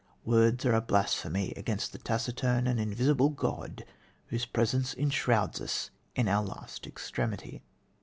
Words are a blasphemy against that taciturn and invisible God whose presence enshrouds us in our last extremity."